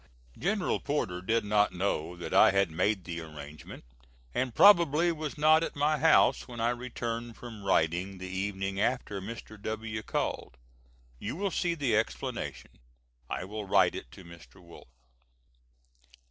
General Porter did not know that I had made the arrangement, and probably was not at my house when I returned from riding the evening after Mr. W. called. You will see the explanation. I will write it to Mr. Wolff.